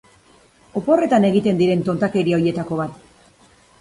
Oporretan egiten diren tontakeria horietako bat.